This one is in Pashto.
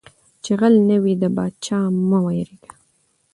ـ چې غل نه وې د پاچاه نه مه ډارېږه.